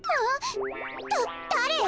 だだれ？